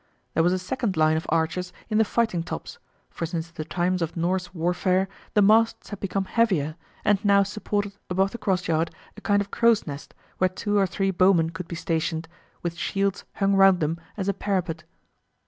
There was a second line of archers in the fighting tops, for since the times of Norse warfare the masts had become heavier, and now supported above the crossyard a kind of crow's nest where two or three bowmen could be stationed, with shields hung round them as a parapet.